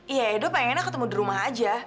iya yaudah pengennya ketemu di rumah aja